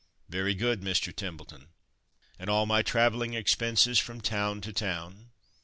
"Very good, Mr. Templeton." "And all my travelling expenses, from toun to toun."